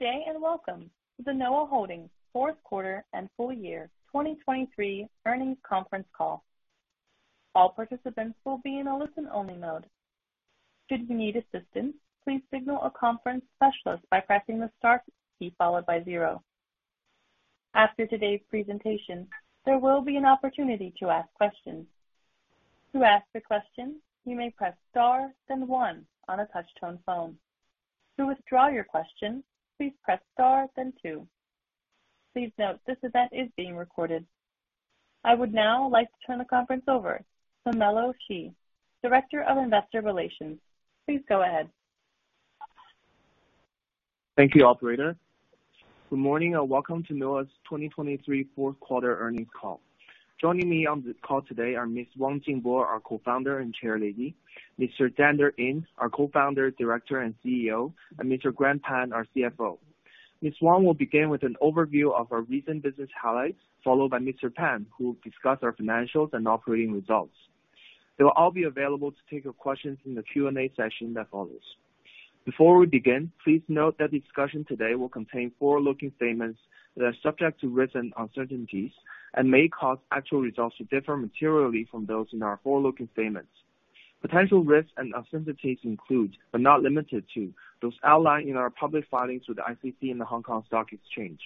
Day and welcome to the Noah Holdings Fourth Quarter and Full Year 2023 Earnings Conference Call. All participants will be in a listen-only mode. Should you need assistance, please signal a conference specialist by pressing the star key followed by 0. After today's presentation, there will be an opportunity to ask questions. To ask a question, you may press star, then 1 on a touch-tone phone. To withdraw your question, please press star, then 2. Please note this event is being recorded. I would now like to turn the conference over to Melo Xi, Director of Investor Relations. Please go ahead. Thank you, Operator. Good morning and welcome to Noah's 2023 fourth quarter earnings call. Joining me on the call today are Ms. Jingbo Wang, our Co-Founder and Chairwoman; Mr. Zhe Yin, our Co-Founder, Director, and CEO; and Mr. Grant Pan, our CFO. Ms. Wang will begin with an overview of our recent business highlights, followed by Mr. Pan, who will discuss our financials and operating results. They will all be available to take your questions in the Q&A session that follows. Before we begin, please note that the discussion today will contain forward-looking statements that are subject to risks and uncertainties and may cause actual results to differ materially from those in our forward-looking statements. Potential risks and uncertainties include, but are not limited to, those outlined in our public filings with the SEC and the Hong Kong Stock Exchange.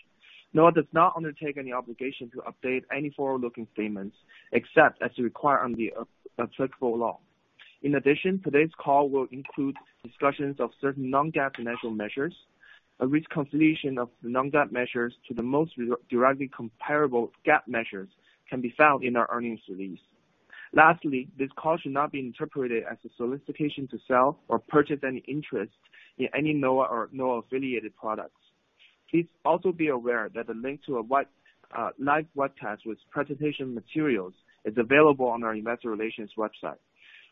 Noah does not undertake any obligation to update any forward-looking statements except as required under the applicable law. In addition, today's call will include discussions of certain non-GAAP financial measures. A reconciliation of the non-GAAP measures to the most directly comparable GAAP measures can be found in our earnings release. Lastly, this call should not be interpreted as a solicitation to sell or purchase any interest in any Noah or Noah-affiliated products. Please also be aware that a link to a live webcast with presentation materials is available on our Investor Relations website.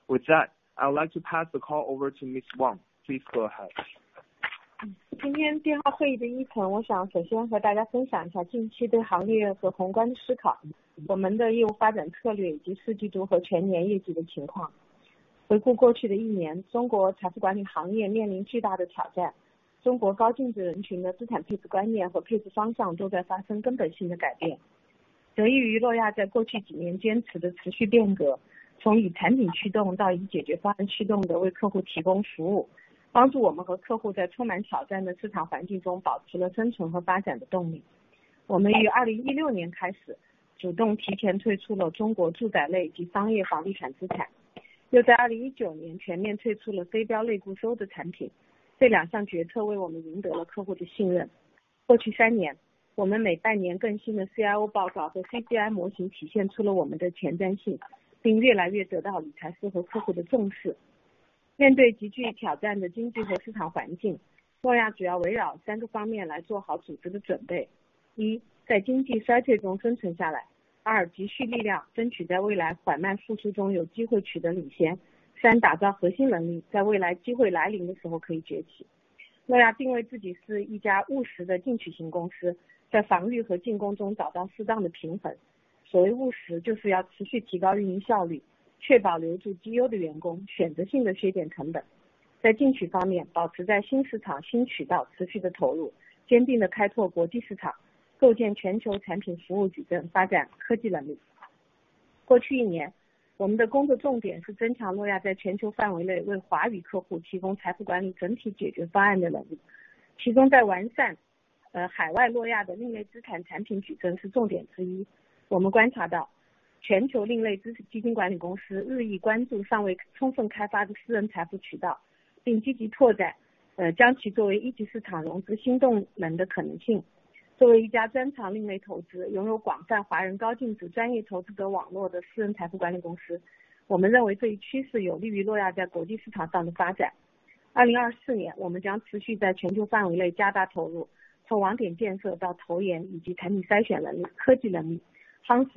With that, I would like to pass the call over to Ms. Wang. Please go ahead. [unintelligible] I'd like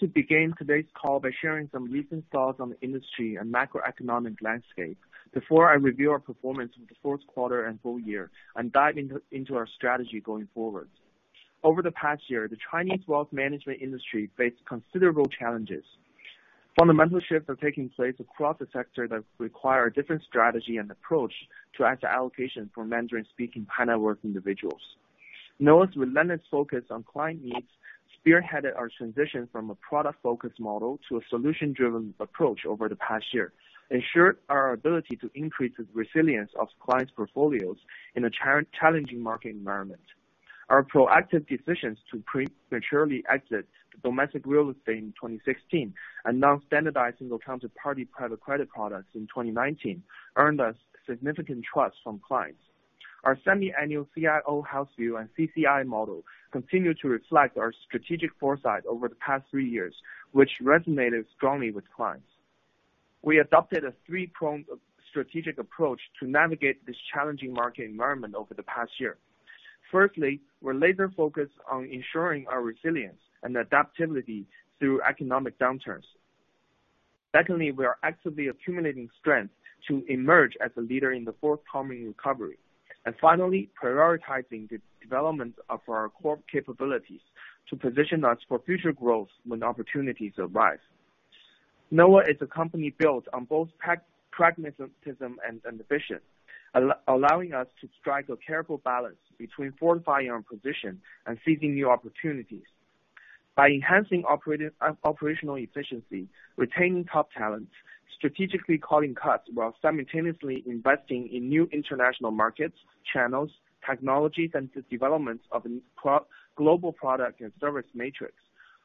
to begin today's call by sharing some recent thoughts on the industry and macroeconomic landscape before I review our performance for the fourth quarter and full year and dive into our strategy going forward. Over the past year, the Chinese wealth management industry faced considerable challenges. Fundamental shifts are taking place across the sector that require a different strategy and approach to asset allocation for Mandarin-speaking high-net-worth individuals. Noah's relentless focus on client needs spearheaded our transition from a product-focused model to a solution-driven approach over the past year, ensured our ability to increase the resilience of clients' portfolios in a challenging market environment. Our proactive decisions to prematurely exit domestic real estate in 2016 and non-standardized single-counterparty private credit products in 2019 earned us significant trust from clients. Our semi-annual CIO House View and CGI model continue to reflect our strategic foresight over the past three years, which resonated strongly with clients. We adopted a three-pronged strategic approach to navigate this challenging market environment over the past year. Firstly, we're laser-focused on ensuring our resilience and adaptability through economic downturns. Secondly, we are actively accumulating strength to emerge as a leader in the forthcoming recovery. And finally, prioritizing the development of our core capabilities to position us for future growth when opportunities arise. Noah is a company built on both pragmatism and ambition, allowing us to strike a careful balance between fortifying our position and seizing new opportunities. By enhancing operational efficiency, retaining top talent, strategically cutting costs while simultaneously investing in new international markets, channels, technologies, and the development of a global product and service matrix,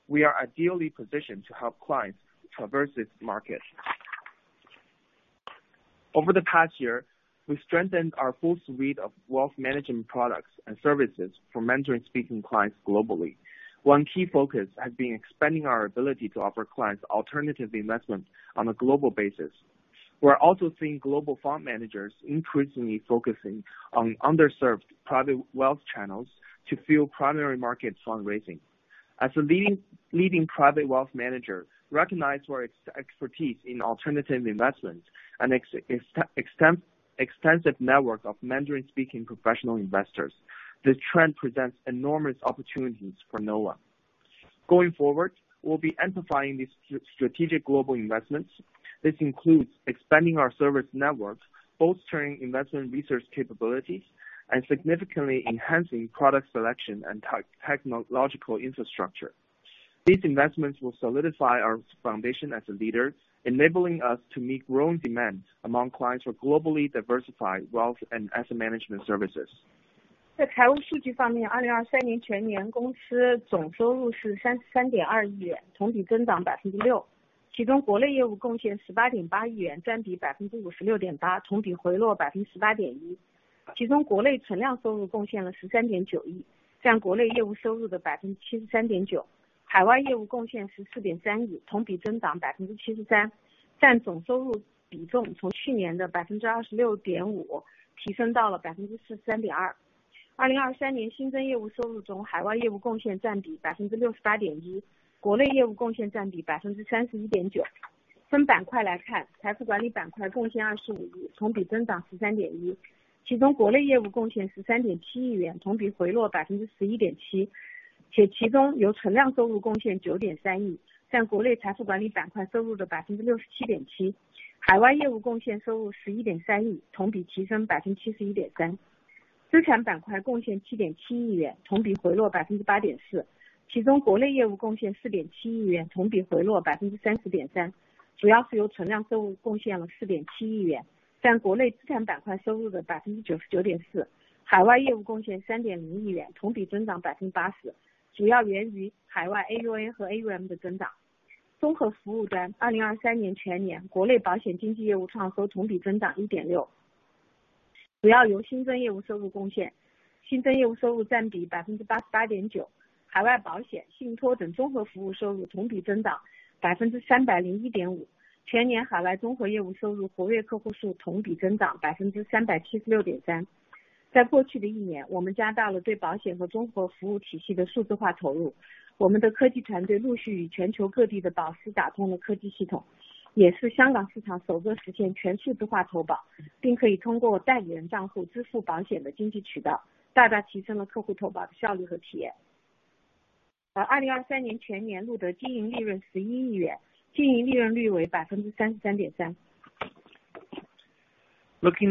we are ideally positioned to help clients traverse this market. Over the past year, we've strengthened our full suite of wealth management products and services for Mandarin-speaking clients globally. One key focus has been expanding our ability to offer clients alternative investment on a global basis. We're also seeing global fund managers increasingly focusing on underserved private wealth channels to fill primary market fundraising. As a leading private wealth manager, recognize our expertise in alternative investments and extensive network of Mandarin-speaking professional investors. This trend presents enormous opportunities for Noah. Going forward, we'll be amplifying these strategic global investments. This includes expanding our service network, bolstering investment research capabilities, and significantly enhancing product selection and technological infrastructure. These investments will solidify our foundation as a leader, enabling us to meet growing demand among clients for globally diversified wealth and asset management services. [unintelligible] Looking at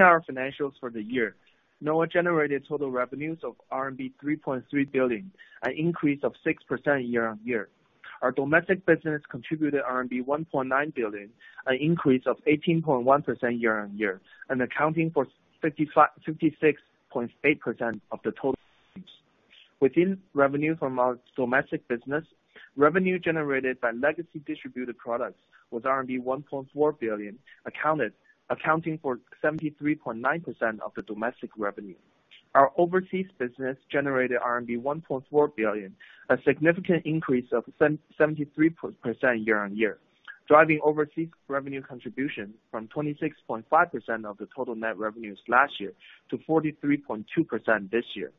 our financials for the year, Noah generated total revenues of RMB 3.3 billion, an increase of 6% year-on-year. Our domestic business contributed RMB 1.9 billion, an increase of 18.1% year-on-year, and accounting for 56.8% of the total revenues. Within revenue from our domestic business, revenue generated by legacy distributed products was RMB 1.4 billion, accounting for 73.9% of the domestic revenue. Our overseas business generated RMB 1.4 billion, a significant increase of 73% year-on-year, driving overseas revenue contribution from 26.5% of the total net revenues last year to 43.2% this year.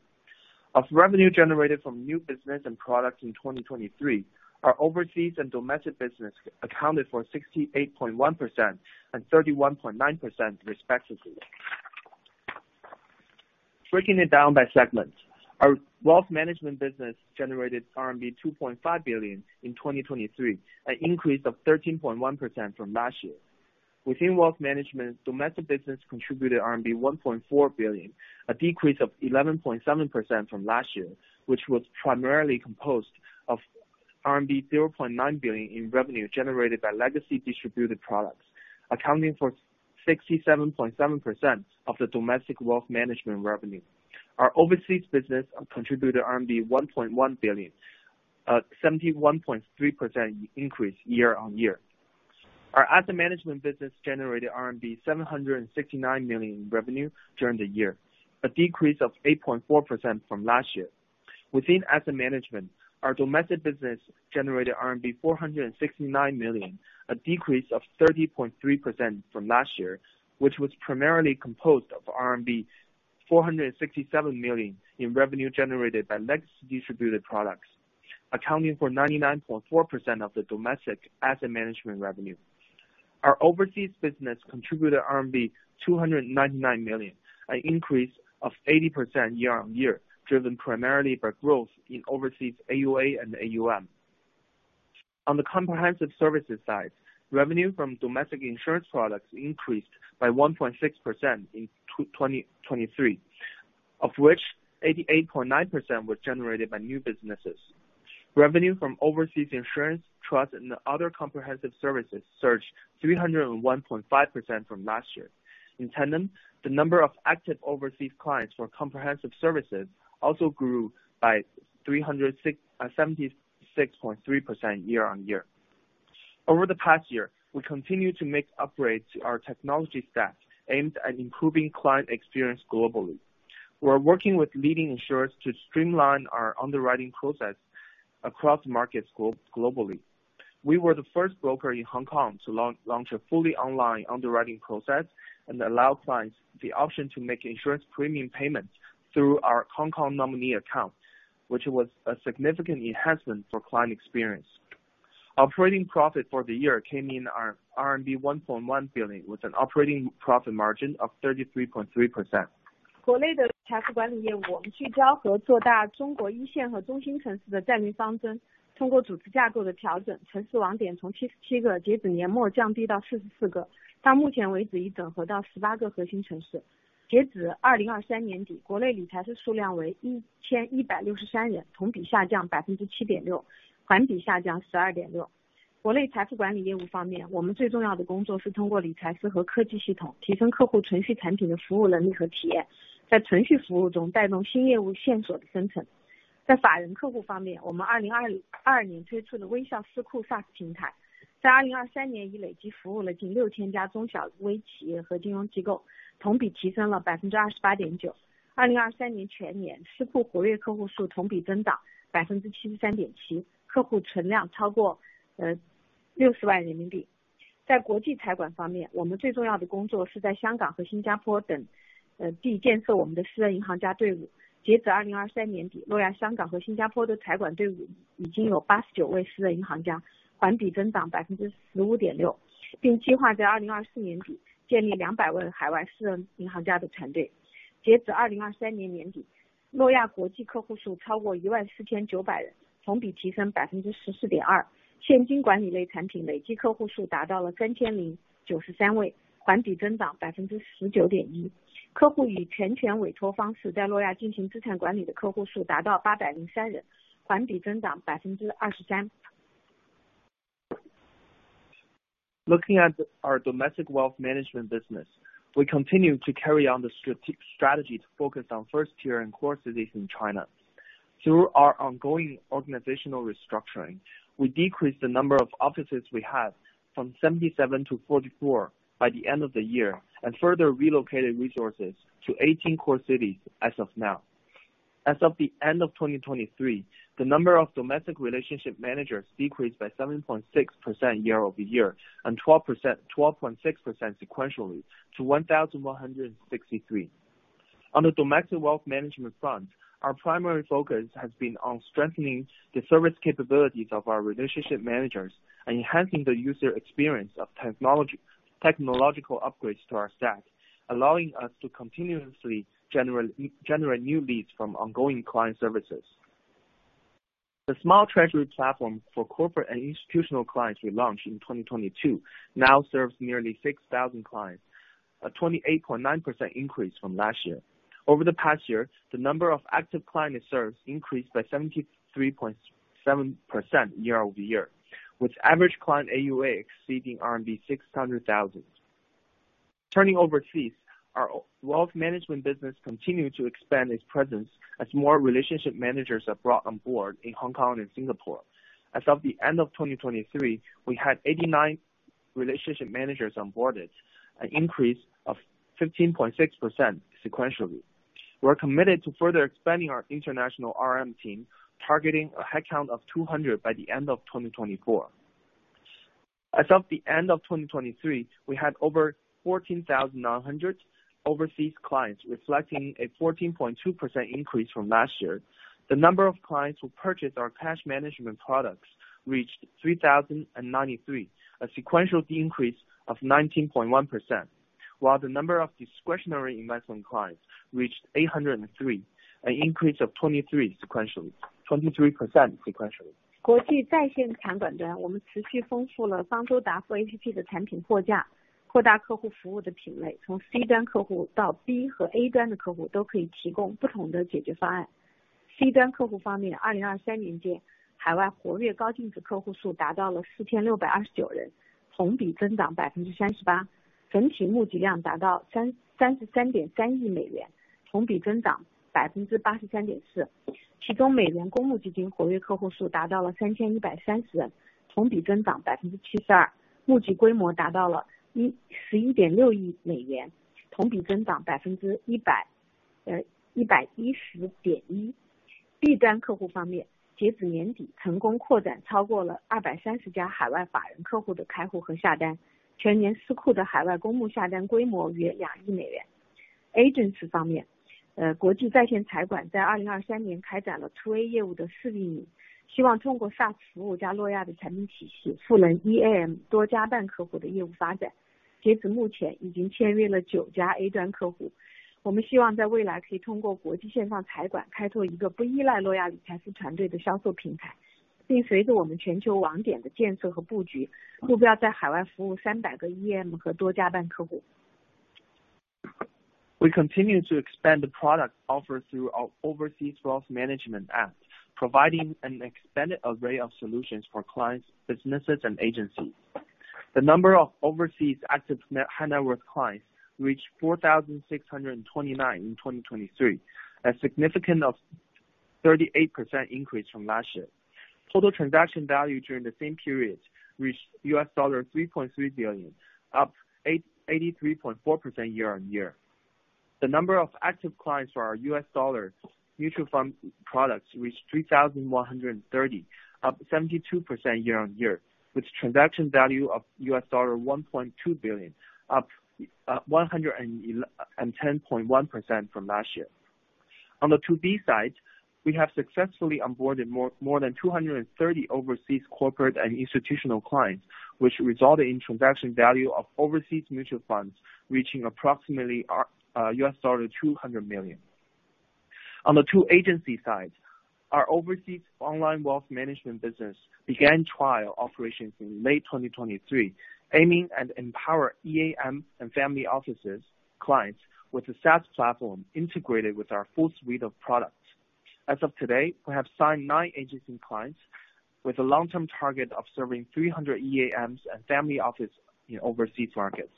Of revenue generated from new business and product in 2023, our overseas and domestic business accounted for 68.1% and 31.9% respectively. Breaking it down by segments, our wealth management business generated RMB 2.5 billion in 2023, an increase of 13.1% from last year. Within wealth management, domestic business contributed RMB 1.4 billion, a decrease of 11.7% from last year, which was primarily composed of RMB 0.9 billion in revenue generated by legacy distributed products, accounting for 67.7% of the domestic wealth management revenue. Our overseas business contributed RMB 1.1 billion, a 71.3% increase year-on-year. Our asset management business generated RMB 769 million in revenue during the year, a decrease of 8.4% from last year. Within asset management, our domestic business generated RMB 469 million, a decrease of 30.3% from last year, which was primarily composed of RMB 467 million in revenue generated by legacy distributed products, accounting for 99.4% of the domestic asset management revenue. Our overseas business contributed RMB 299 million, an increase of 80% year-on-year, driven primarily by growth in overseas AUA and AUM. On the comprehensive services side, revenue from domestic insurance products increased by 1.6% in 2023, of which 88.9% was generated by new businesses. Revenue from overseas insurance, trust, and other comprehensive services surged 301.5% from last year. In tandem, the number of active overseas clients for comprehensive services also grew by 76.3% year-on-year. Over the past year, we continued to make upgrades to our technology stack aimed at improving client experience globally. We're working with leading insurers to streamline our underwriting process across markets globally. We were the first broker in Hong Kong to launch a fully online underwriting process and allow clients the option to make insurance premium payments through our Hong Kong nominee account, which was a significant enhancement for client experience. Operating profit for the year came in RMB 1.1 billion, with an operating profit margin of 33.3%. [unintelligible] Looking at our domestic wealth management business, we continue to carry on the strategy to focus on first-tier and core cities in China. Through our ongoing organizational restructuring, we decreased the number of offices we had from 77-44 by the end of the year, and further relocated resources to 18 core cities as of now. As of the end of 2023, the number of domestic relationship managers decreased by 7.6% year-over-year and 12.6% sequentially to 1,163. On the domestic wealth management front, our primary focus has been on strengthening the service capabilities of our relationship managers and enhancing the user experience of technological upgrades to our stack, allowing us to continuously generate new leads from ongoing client services. The Smile Treasury platform for corporate and institutional clients we launched in 2022 now serves nearly 6,000 clients, a 28.9% increase from last year. Over the past year, the number of active client serves increased by 73.7% year-over-year, with average client AUA exceeding RMB 600,000. Turning overseas, our wealth management business continued to expand its presence as more relationship managers are brought on board in Hong Kong and Singapore. As of the end of 2023, we had 89 relationship managers onboarded, an increase of 15.6% sequentially. We're committed to further expanding our international RM team, targeting a headcount of 200 by the end of 2024. As of the end of 2023, we had over 14,900 overseas clients, reflecting a 14.2% increase from last year. The number of clients who purchased our cash management products reached 3,093, a sequential decrease of 19.1%, while the number of discretionary investment clients reached 803, an increase of 23% sequentially. [unintelligible] We continue to expand the product offered through our overseas wealth management app, providing an expanded array of solutions for clients, businesses, and agencies. The number of overseas active high net worth clients reached 4,629 in 2023, a significant 38% increase from last year. Total transaction value during the same period reached $3.3 billion, up 83.4% year-on-year. The number of active clients for our USD mutual fund products reached 3,130, up 72% year-on-year, with transaction value of $1.2 billion, up 110.1% from last year. On the 2B side, we have successfully onboarded more than 230 overseas corporate and institutional clients, which resulted in transaction value of overseas mutual funds reaching approximately $200 million. On the 2A agency side, our overseas online wealth management business began trial operations in late 2023, aiming to empower EAM and family offices clients with a SaaS platform integrated with our full suite of products. As of today, we have signed nine agency clients, with a long-term target of serving 300 EAMs and family offices in overseas markets.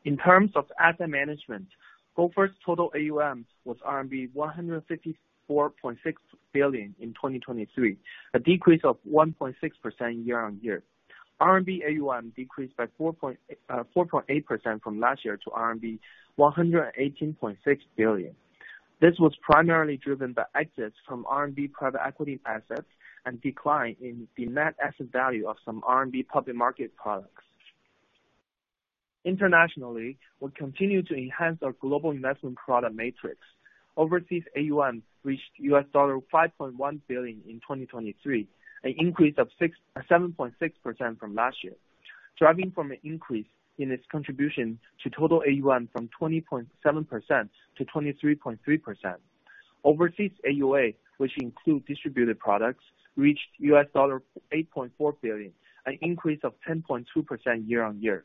In terms of asset management, Gopher's total AUM was RMB 154.6 billion in 2023, a decrease of 1.6% year-over-year. CNY AUM decreased by 4.8% from last year to RMB 118.6 billion. This was primarily driven by exits from CNY private equity assets and decline in the net asset value of some CNY public market products. Internationally, we continue to enhance our global investment product matrix. Overseas AUM reached $5.1 billion in 2023, an increase of 7.6% from last year, driving from an increase in its contribution to total AUM from 20.7% to 23.3%. Overseas AUA, which include distributed products, reached $8.4 billion, an increase of 10.2% year-over-year.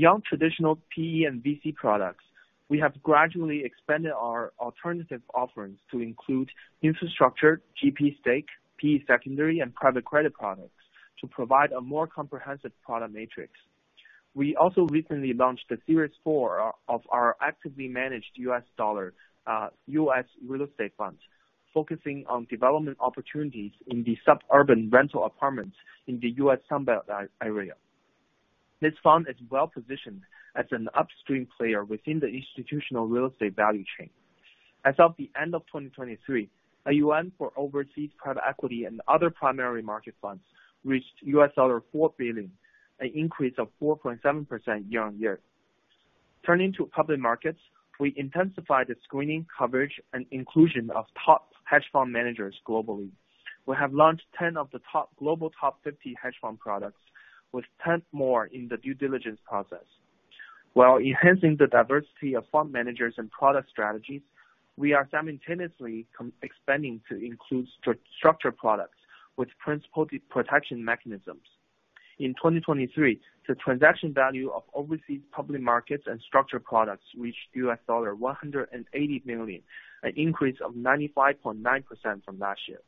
Beyond traditional PE and VC products, we have gradually expanded our alternative offerings to include infrastructure, GP stake, PE secondary, and private credit products to provide a more comprehensive product matrix. We also recently launched the Series 4 of our actively managed U.S. real estate fund, focusing on development opportunities in the suburban rental apartments in the U.S. Sunbelt area. This fund is well positioned as an upstream player within the institutional real estate value chain. As of the end of 2023, AUM for overseas private equity and other primary market funds reached $4 billion, an increase of 4.7% year-on-year. Turning to public markets, we intensified the screening, coverage, and inclusion of top hedge fund managers globally. We have launched 10 of the top global top 50 hedge fund products, with 10 more in the due diligence process. While enhancing the diversity of fund managers and product strategies, we are simultaneously expanding to include structured products with principal protection mechanisms. In 2023, the transaction value of overseas public markets and structured products reached $180 million, an increase of 95.9% from last year.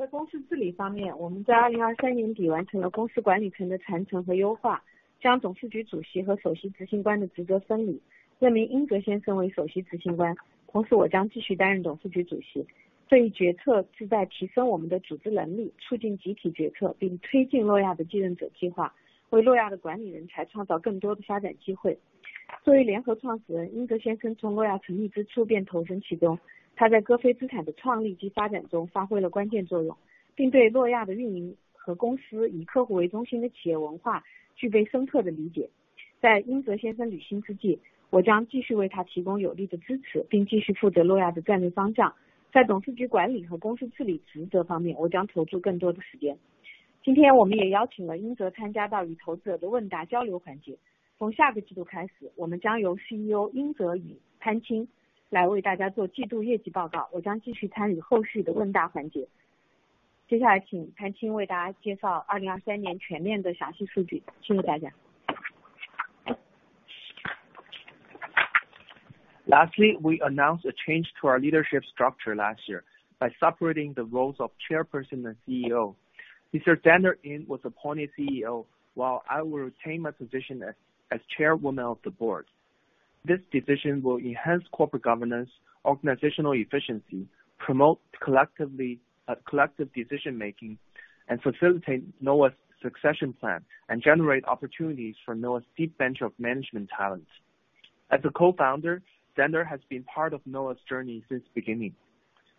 [unintelligible] Lastly, we announced a change to our leadership structure last year by separating the roles of Chairperson and CEO. Mr. Zhe Yin was appointed CEO, while I will retain my position as Chairwoman of the board. This decision will enhance corporate governance, organizational efficiency, promote collective decision-making, and facilitate Noah's succession plan, and generate opportunities for Noah's deep bench of management talent. As a Co-Founder, Zhe Yin has been part of Noah's journey since the beginning.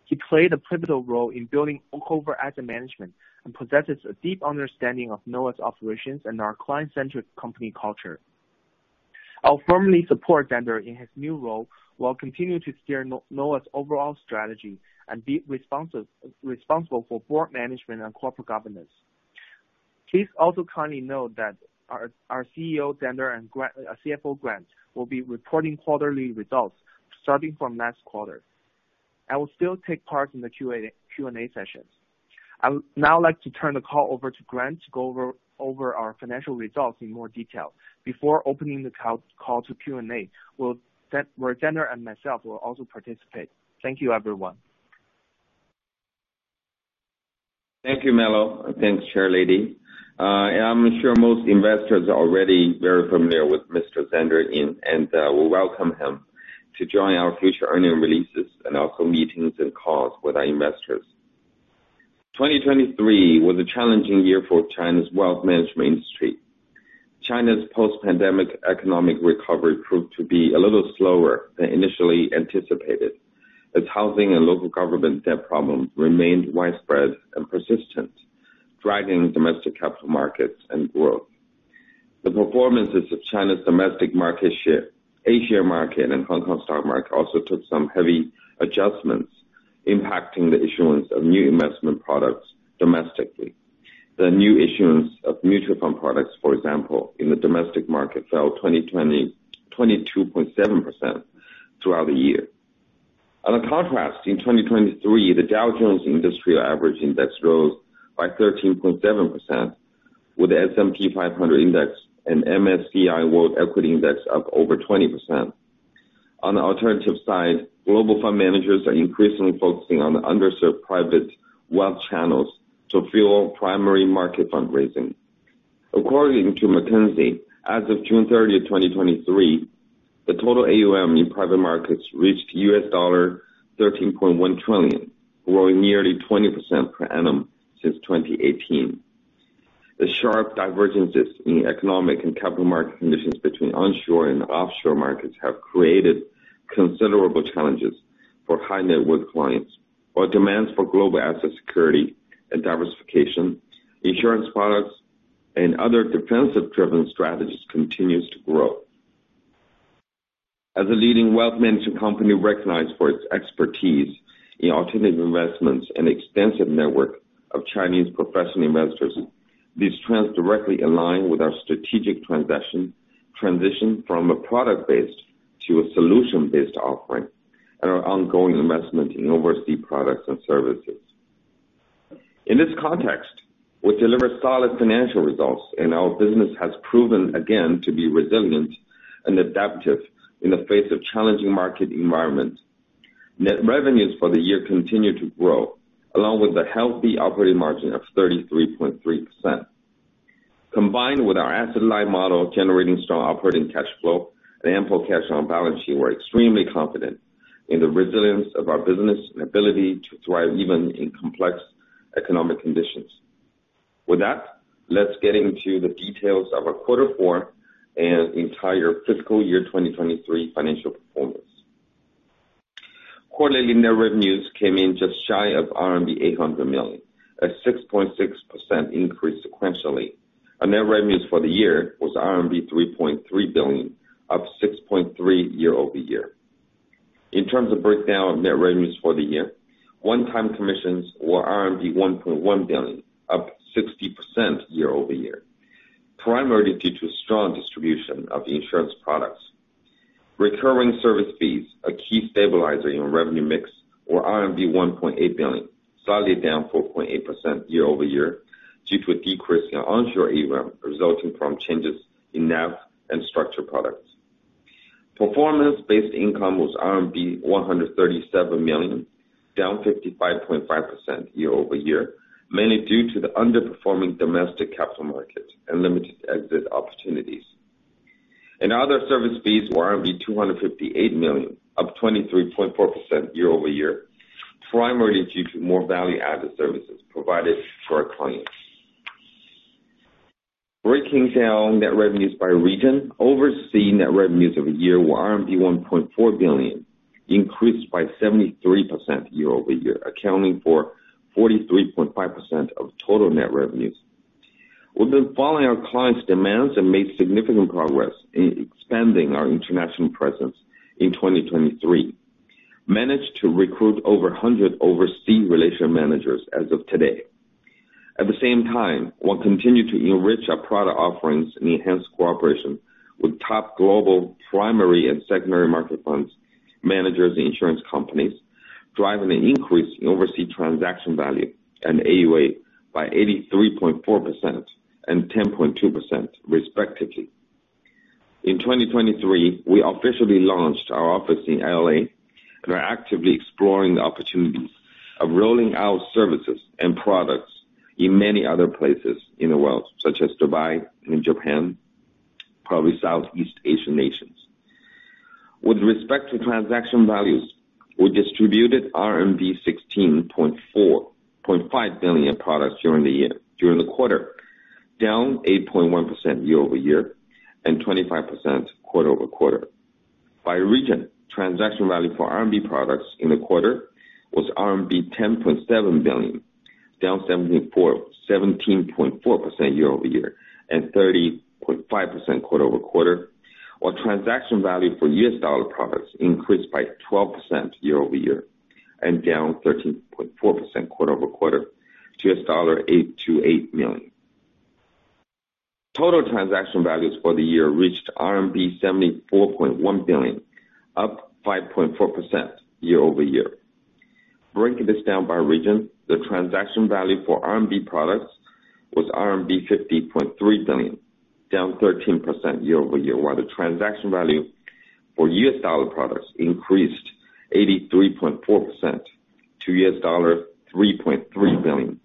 He played a pivotal role in building Gopher Asset Management and possesses a deep understanding of Noah's operations and our client-centric company culture. I'll firmly support Zhe Yin in his new role, while continue to steer Noah's overall strategy and be responsible for board management and corporate governance. Please also kindly note that our CEO Zhe Yin and CFO Grant Pan will be reporting quarterly results starting from last quarter. I will still take part in the Q&A sessions. I would now like to turn the call over to Grant Pan to go over our financial results in more detail. Before opening the call to Q&A, where Zhe Yin and myself will also participate. Thank you, everyone. Thank you, Melo. Thanks, Chair Lady. I'm sure most investors are already very familiar with Mr. Zhe Yin, and we welcome him to join our future earnings releases and also meetings and calls with our investors. 2023 was a challenging year for China's wealth management industry. China's post-pandemic economic recovery proved to be a little slower than initially anticipated, as housing and local government debt problems remained widespread and persistent, dragging domestic capital markets and growth. The performances of China's domestic A-share market and Hong Kong stock market also took some heavy adjustments, impacting the issuance of new investment products domestically. The new issuance of mutual fund products, for example, in the domestic market fell 22.7% throughout the year. In contrast, in 2023, the Dow Jones Industrial Average Index rose by 13.7%, with the S&P 500 Index and MSCI World Equity Index up over 20%. On the alternative side, global fund managers are increasingly focusing on underserved private wealth channels to fuel primary market fundraising. According to McKinsey, as of June 30, 2023, the total AUM in private markets reached $13.1 trillion, growing nearly 20% per annum since 2018. The sharp divergences in economic and capital market conditions between onshore and offshore markets have created considerable challenges for high net worth clients. While demands for global asset security and diversification, insurance products, and other defensive-driven strategies continue to grow. As a leading wealth management company recognized for its expertise in alternative investments and extensive network of Chinese professional investors, these trends directly align with our strategic transition from a product-based to a solution-based offering and our ongoing investment in overseas products and services. In this context, we deliver solid financial results, and our business has proven again to be resilient and adaptive in the face of challenging market environments. Net revenues for the year continue to grow, along with a healthy operating margin of 33.3%. Combined with our asset-life model generating strong operating cash flow and ample cash on balance sheet, we're extremely confident in the resilience of our business and ability to thrive even in complex economic conditions. With that, let's get into the details of our quarter four and entire fiscal year 2023 financial performance. Quarterly net revenues came in just shy of RMB 800 million, a 6.6% increase sequentially. Net revenues for the year was RMB 3.3 billion, up 6.3% year-over-year. In terms of breakdown of net revenues for the year, one-time commissions were CNY 1.1 billion, up 60% year-over-year, primarily due to strong distribution of insurance products. Recurring service fees, a key stabilizer in revenue mix, were RMB 1.8 billion, slightly down 4.8% year-over-year due to a decrease in onshore AUM resulting from changes in NAV and structured products. Performance-based income was CNY 137 million, down 55.5% year-over-year, mainly due to the underperforming domestic capital market and limited exit opportunities. Other service fees were 258 million, up 23.4% year-over-year, primarily due to more value-added services provided to our clients. Breaking down net revenues by region, overseas net revenues of the year were RMB 1.4 billion, increased by 73% year-over-year, accounting for 43.5% of total net revenues. We've been following our clients' demands and made significant progress in expanding our international presence in 2023. Managed to recruit over 100 overseas relationship managers as of today. At the same time, we'll continue to enrich our product offerings and enhance cooperation with top global primary and secondary market funds, managers, and insurance companies, driving an increase in overseas transaction value and AUA by 83.4% and 10.2%, respectively. In 2023, we officially launched our office in L.A., and we're actively exploring the opportunities of rolling out services and products in many other places in the world, such as Dubai and Japan, probably Southeast Asian nations. With respect to transaction values, we distributed RMB 16.5 billion products during the quarter, down 8.1% year-over-year and 25% quarter-over-quarter. By region, transaction value for CNY products in the quarter was RMB 10.7 billion, down 17.4% year-over-year and 30.5% quarter-over-quarter, while transaction value for USD products increased by 12% year-over-year and down 13.4% quarter-over-quarter to $828 million. Total transaction values for the year reached RMB 74.1 billion, up 5.4% year-over-year. Breaking this down by region, the transaction value for CNY products was RMB 50.3 billion, down 13% year-over-year, while the transaction value for USD products increased 83.4% to $3.3 billion,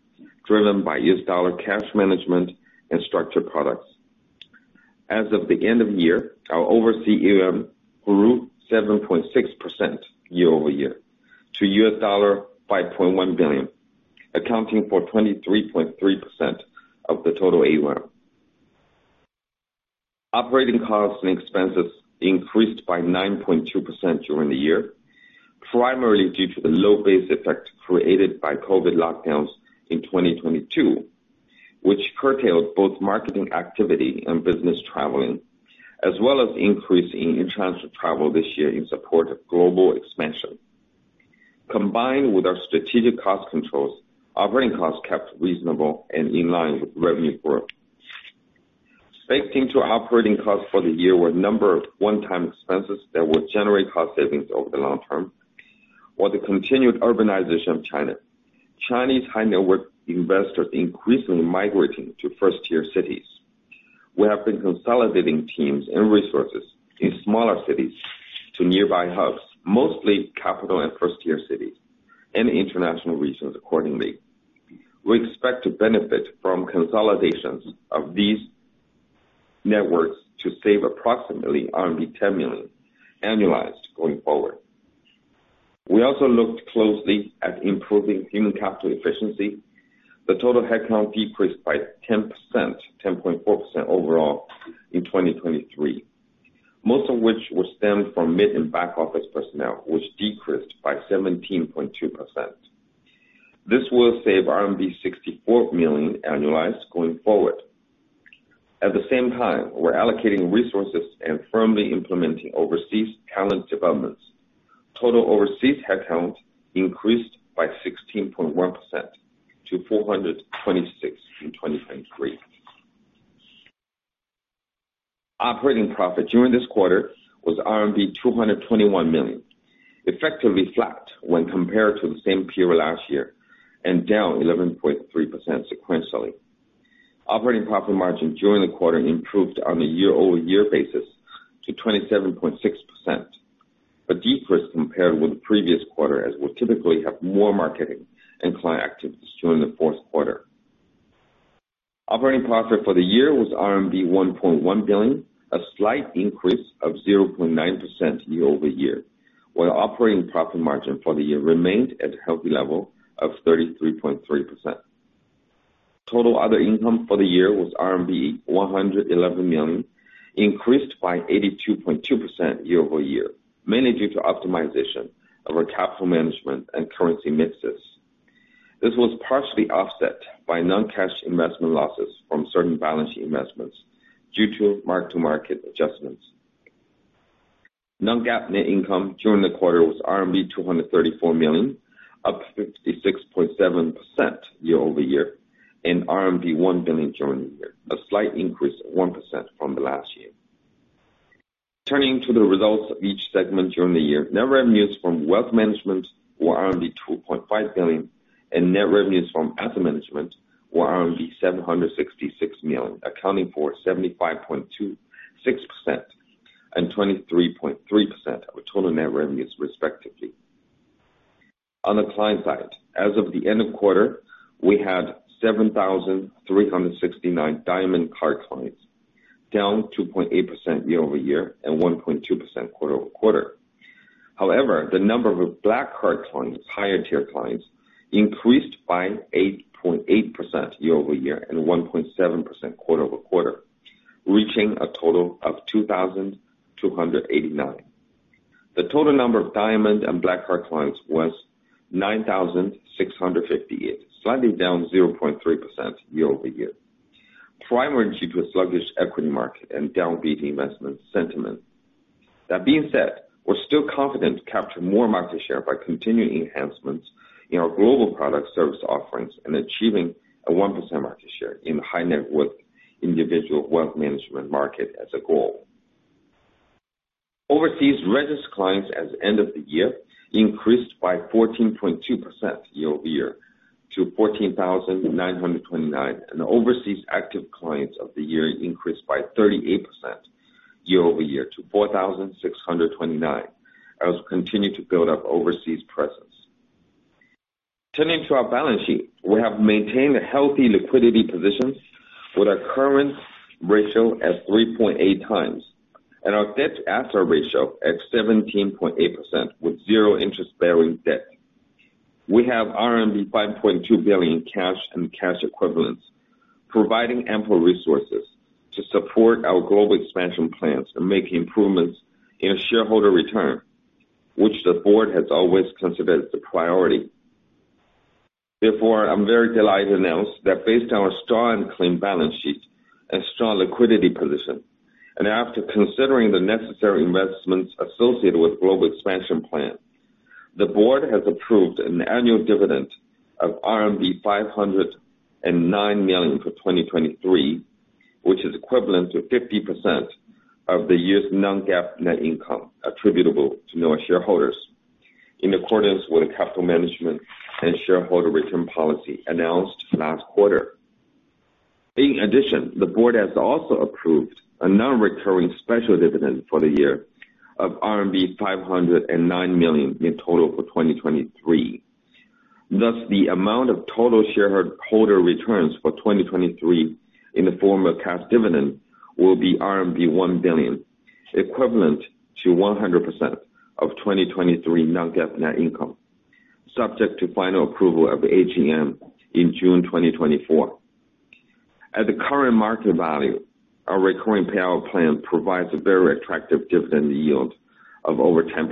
driven by USD cash management and structured products. As of the end of the year, our overseas AUM grew 7.6% year-over-year to $5.1 billion, accounting for 23.3% of the total AUM. Operating costs and expenses increased by 9.2% during the year, primarily due to the low base effect created by COVID lockdowns in 2022, which curtailed both marketing activity and business traveling, as well as an increase in international travel this year in support of global expansion. Combined with our strategic cost controls, operating costs kept reasonable and in line with revenue growth. Factoring into operating costs for the year were a number of one-time expenses that would generate cost savings over the long term, while the continued urbanization of China, Chinese high-net-worth investors increasingly migrating to first-tier cities. We have been consolidating teams and resources in smaller cities to nearby hubs, mostly capital and first-tier cities, and international regions accordingly. We expect to benefit from consolidations of these networks to save approximately 10 million annualized going forward. We also looked closely at improving human capital efficiency. The total headcount decreased by 10.4% overall in 2023, most of which would stem from mid and back office personnel, which decreased by 17.2%. This will save RMB 64 million annualized going forward. At the same time, we're allocating resources and firmly implementing overseas talent developments. Total overseas headcount increased by 16.1% to 426 in 2023. Operating profit during this quarter was RMB 221 million, effectively flat when compared to the same period last year and down 11.3% sequentially. Operating profit margin during the quarter improved on a year-over-year basis to 27.6%, but decreased compared with the previous quarter as we typically have more marketing and client activities during the fourth quarter. Operating profit for the year was RMB 1.1 billion, a slight increase of 0.9% year-over-year, while operating profit margin for the year remained at a healthy level of 33.3%. Total other income for the year was RMB 111 million, increased by 82.2% year-over-year, mainly due to optimization of our capital management and currency mixes. This was partially offset by non-cash investment losses from certain balance sheet investments due to mark-to-market adjustments. Non-GAAP net income during the quarter was RMB 234 million, up 56.7% year-over-year, and RMB 1 billion during the year, a slight increase of 1% from the last year. Turning to the results of each segment during the year, net revenues from wealth management were 2.5 billion, and net revenues from asset management were 766 million, accounting for 75.26% and 23.3% of total net revenues, respectively. On the client side, as of the end of quarter, we had 7,369 Diamond Card clients, down 2.8% year-over-year and 1.2% quarter-over-quarter. However, the number of Black Card clients, higher-tier clients, increased by 8.8% year-over-year and 1.7% quarter-over-quarter, reaching a total of 2,289. The total number of diamond and Black Card clients was 9,658, slightly down 0.3% year-over-year, primarily due to a sluggish equity market and downbeat investment sentiment. That being said, we're still confident to capture more market share by continuing enhancements in our global product service offerings and achieving a 1% market share in the high-net-worth individual wealth management market as a goal. Overseas registered clients at the end of the year increased by 14.2% year-over-year to 14,929, and overseas active clients of the year increased by 38% year-over-year to 4,629 as we continue to build up overseas presence. Turning to our balance sheet, we have maintained a healthy liquidity position with our current ratio at 3.8 times and our debt-to-asset ratio at 17.8% with zero interest-bearing debt. We have RMB 5.2 billion in cash and cash equivalents, providing ample resources to support our global expansion plans and making improvements in our shareholder return, which the board has always considered the priority. Therefore, I'm very delighted to announce that based on our strong and clean balance sheet and strong liquidity position, and after considering the necessary investments associated with global expansion plans, the board has approved an annual dividend of RMB 509 million for 2023, which is equivalent to 50% of the year's non-GAAP net income attributable to Noah shareholders, in accordance with the capital management and shareholder return policy announced last quarter. In addition, the board has also approved a non-recurring special dividend for the year of RMB 509 million in total for 2023. Thus, the amount of total shareholder returns for 2023 in the form of cash dividend will be RMB 1 billion, equivalent to 100% of 2023 non-GAAP net income, subject to final approval of the AGM in June 2024. At the current market value, our recurring payout plan provides a very attractive dividend yield of over 10%,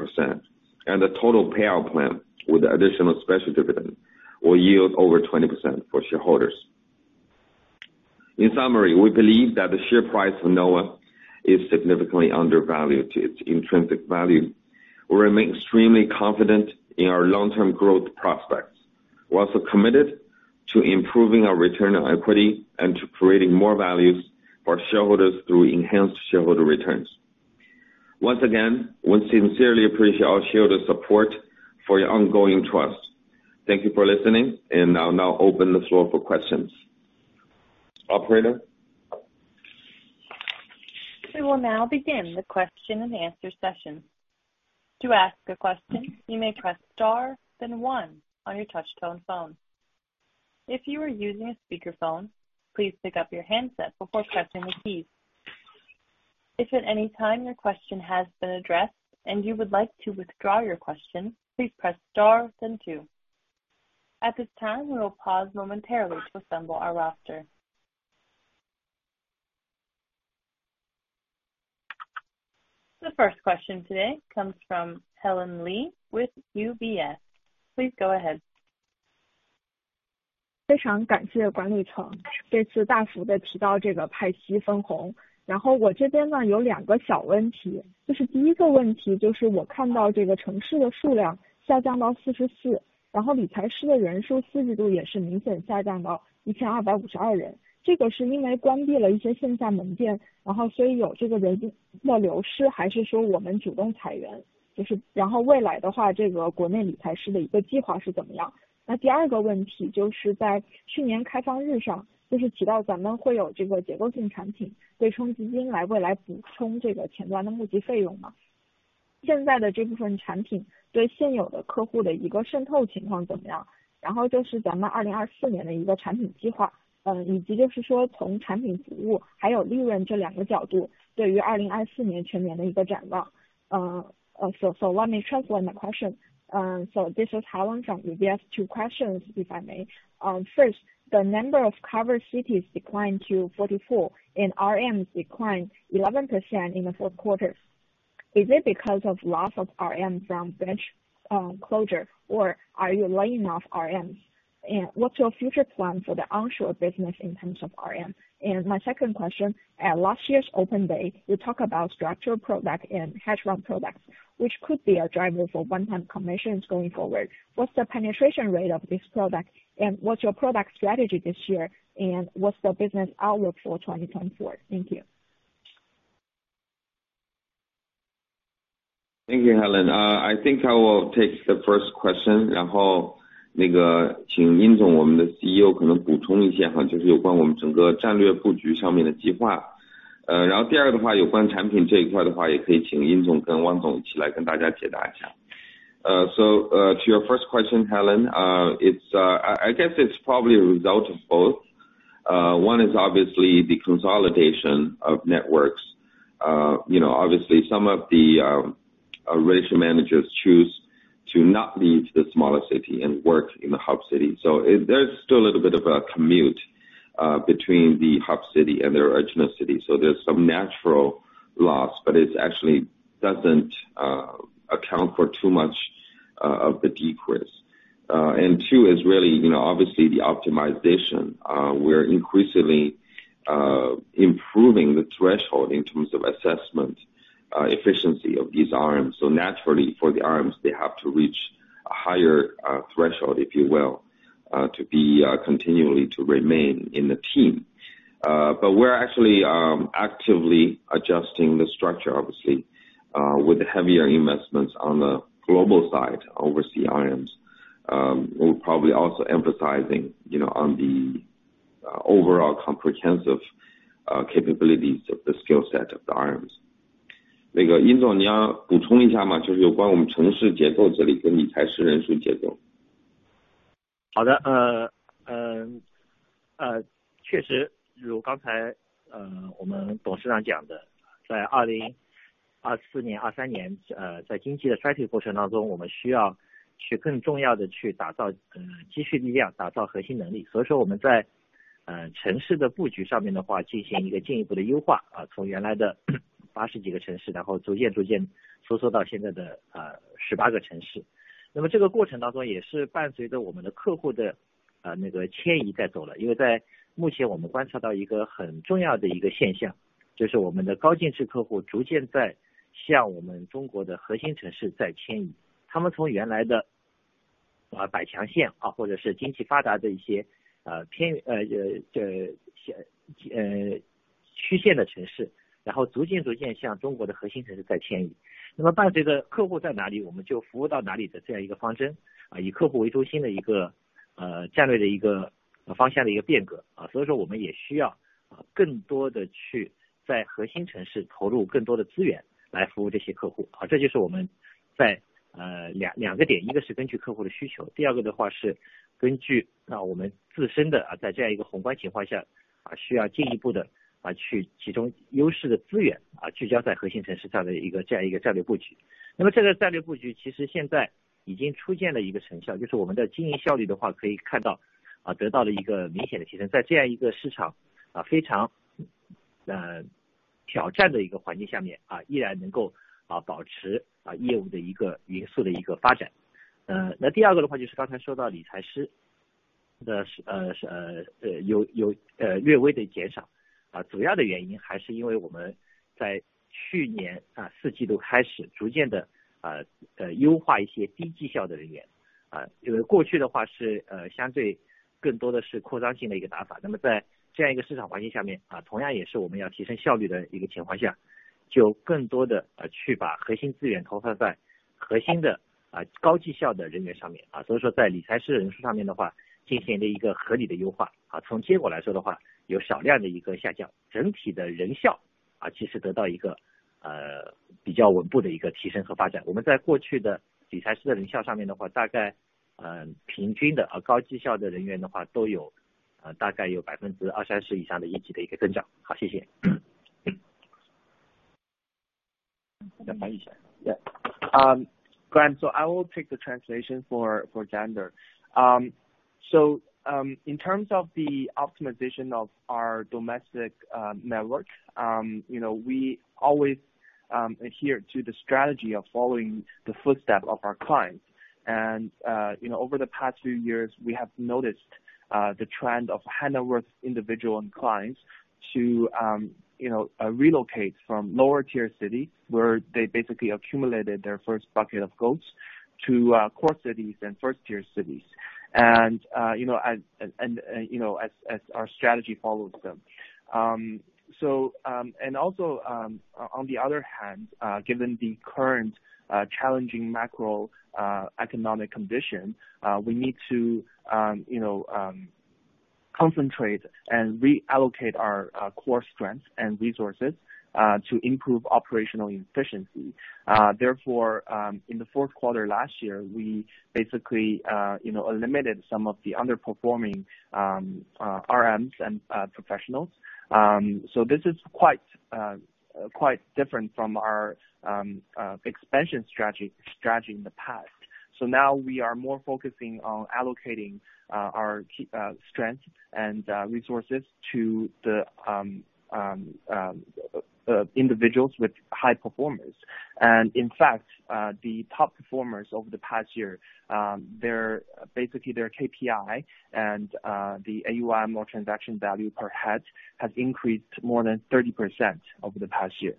and the total payout plan with the additional special dividend will yield over 20% for shareholders. In summary, we believe that the share price of NOAH is significantly undervalued to its intrinsic value. We remain extremely confident in our long-term growth prospects. We're also committed to improving our return on equity and to creating more values for shareholders through enhanced shareholder returns. Once again, we sincerely appreciate all shareholders' support for your ongoing trust. Thank you for listening, and I'll now open the floor for questions. Operator. We will now begin the question-and-answer session. To ask a question, you may press star, then one, on your touch-tone phone. If you are using a speakerphone, please pick up your handset before pressing the keys. If at any time your question has been addressed and you would like to withdraw your question, please press star, then two. At this time, we will pause momentarily to assemble our roster. The first question today comes from Heqing Li with UBS. Please go ahead. [unintelligible] Let me transfer my question. So this is Heqing from UBS two questions if I may. First the number of covered cities declined to 44 and RMs declined 11% in the fourth quarter. Is it because of loss of RM from bench closure or are you laying off RMs? And what's your future plan for the onshore business in terms of RM? And my second question, at last year's open day, you talk about structural product and hedge fund products, which could be a driver for one-time commissions going forward. What's the penetration rate of this product and what's your product strategy this year and what's the business outlook for 2024? Thank you. Thank you, Helen. I think I will take the first question. [unintelligible] So to your first question, Heqing, it's, I guess it's probably a result of both. One is obviously the consolidation of networks. You know obviously some of the relationship managers choose to not leave the smaller city and work in the hub city. So it's still a little bit of a commute between the hub city and their original city. So there's some natural loss, but it actually doesn't account for too much of the decrease. And two is really you know obviously the optimization. We're increasingly improving the threshold in terms of assessment efficiency of these RMs. So naturally for the RMs they have to reach a higher threshold if you will to be continually to remain in the team. But we're actually actively adjusting the structure obviously with heavier investments on the global side overseas RMs. We're probably also emphasizing you know on the overall comprehensive capabilities of the skill set of the RMs. [unintelligible] Yeah, Grant, so I will take the translation for Zhe. So, in terms of the optimization of our domestic network, you know, we always adhere to the strategy of following the footsteps of our clients. You know, over the past few years, we have noticed the trend of high-net-worth individual clients to, you know, relocate from lower-tier cities where they basically accumulated their first bucket of gold to core cities and first-tier cities. You know, as our strategy follows them. So, and also, on the other hand, given the current challenging macroeconomic condition, we need to, you know, concentrate and reallocate our core strengths and resources to improve operational efficiency. Therefore, in the fourth quarter last year, we basically, you know, eliminated some of the underperforming RMs and professionals. So this is quite different from our expansion strategy in the past. So now we are more focusing on allocating our strengths and resources to the individuals, high performers. And in fact, the top performers over the past year, they're basically their KPI and the AUM more transaction value per head has increased more than 30% over the past year.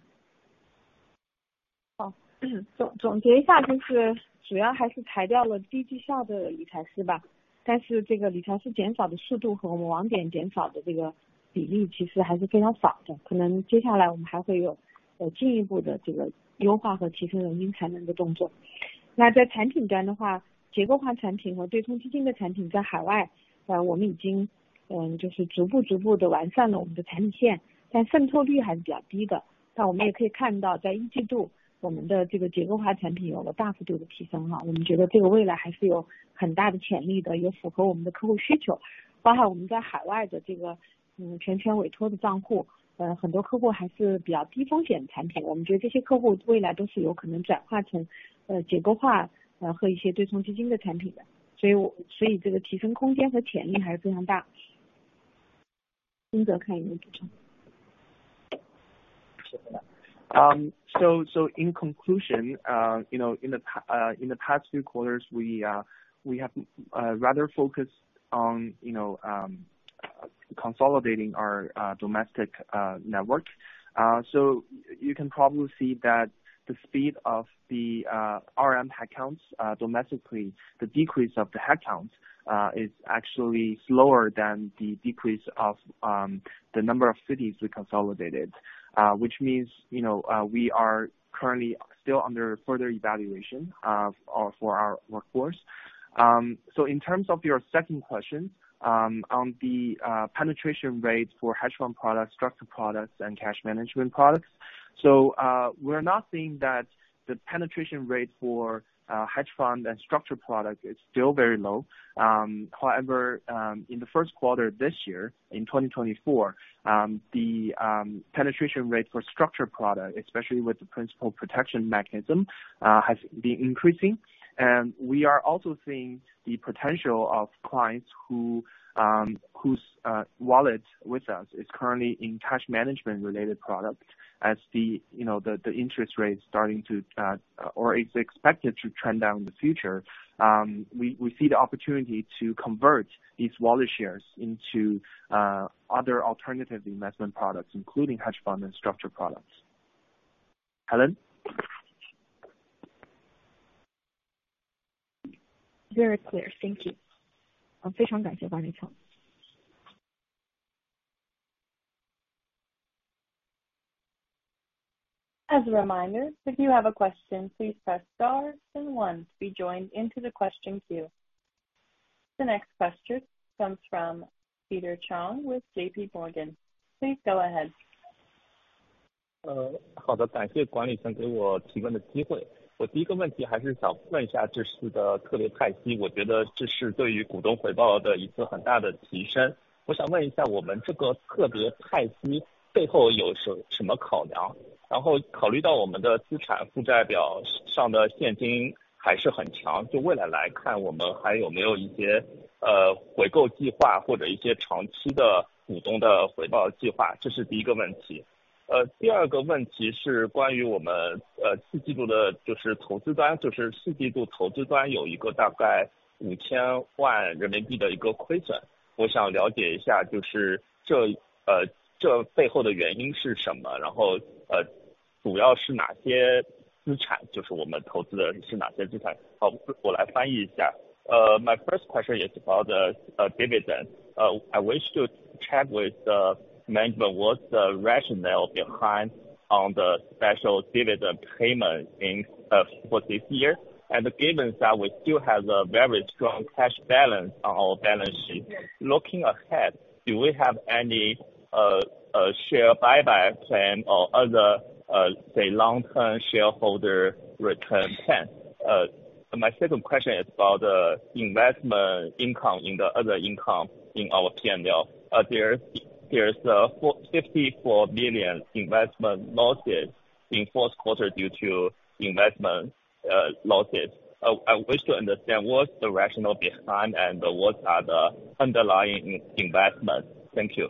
[unintelligible] So in conclusion, you know, in the past few quarters, we have rather focused on, you know, consolidating our domestic network. So you can probably see that the speed of the RM headcounts domestically, the decrease of the headcount, is actually slower than the decrease of the number of cities we consolidated, which means, you know, we are currently still under further evaluation of our workforce. So in terms of your second question on the penetration rate for hedge fund products, structured products, and cash management products, so we're not seeing that the penetration rate for hedge fund and structured product is still very low. However, in the first quarter this year, in 2024, the penetration rate for structured product, especially with the principal protection mechanism, has been increasing. And we are also seeing the potential of clients whose wallet with us is currently in cash management-related products as, you know, the interest rate starting to, or is expected to, trend down in the future. We see the opportunity to convert these wallet shares into other alternative investment products, including hedge fund and structured products. Helen? Very clear. Thank you. [unintelligible] As a reminder, if you have a question, please press star and one to be joined into the question queue. The next question comes from Peter Zhang with JPMorgan. Please go ahead. [unintelligible] My first question is about the dividend. I wish to check with the management what's the rationale behind on the special dividend payment in for this year. And given that we still have a very strong cash balance on our balance sheet, looking ahead, do we have any share buyback plan or other, say, long-term shareholder return plan? My second question is about the investment income in the other income in our P&L. There's 54 million investment losses in fourth quarter due to investment losses. I wish to understand what's the rationale behind and what are the underlying investments. Thank you.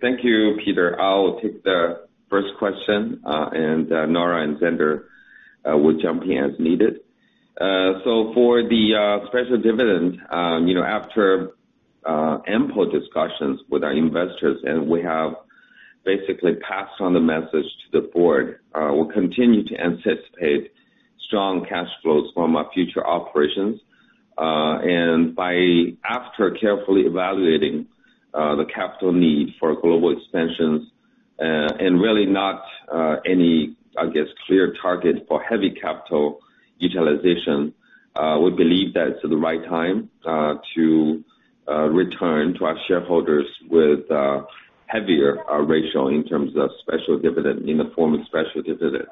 Thank you, Peter. I'll take the first question, and Nora and Zander will jump in as needed. So for the special dividend, you know, after ample discussions with our investors and we have basically passed on the message to the board, we'll continue to anticipate strong cash flows from our future operations. And after carefully evaluating the capital need for global expansions, and really not any, I guess, clear target for heavy capital utilization, we believe that it's the right time to return to our shareholders with heavier ratio in terms of special dividend in the form of special dividend.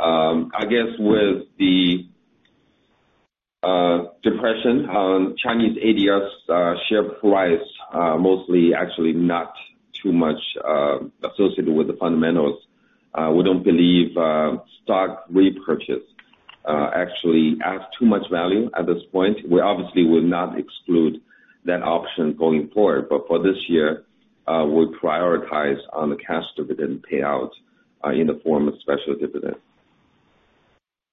I guess with the depression on Chinese ADRs share price, mostly actually not too much associated with the fundamentals, we don't believe stock repurchase actually adds too much value at this point. We obviously will not exclude that option going forward, but for this year, we prioritize on the cash dividend payout in the form of special dividend.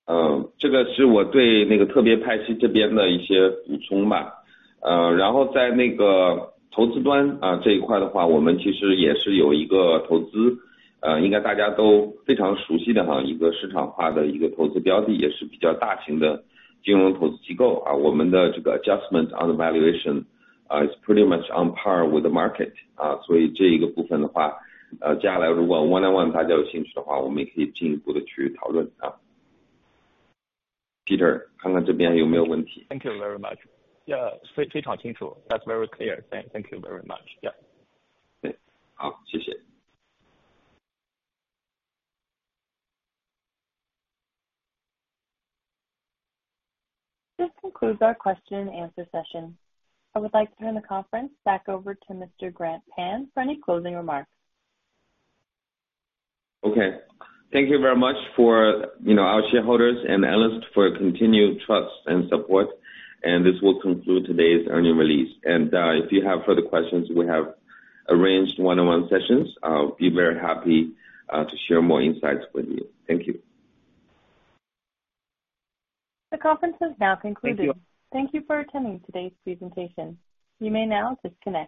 [unintelligible] Adjustment on the valuation, is pretty much on par with the market。 [unintelligible] Thank you very much. Yeah, [unintelligible] That's very clear. Thank you very much. Yeah. [unintelligible] This concludes our question-and-answer session. I would like to turn the conference back over to Mr. Grant Pan for any closing remarks. Okay. Thank you very much for, you know, our shareholders and analysts for your continued trust and support. And this will conclude today's earnings release. And, if you have further questions, we have arranged one-on-one sessions. I'll be very happy, to share more insights with you. Thank you. The conference is now concluded. Thank you. Thank you for attending today's presentation. You may now disconnect.